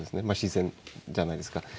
まあ自然じゃないですか。